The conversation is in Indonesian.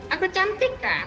aku cantik kan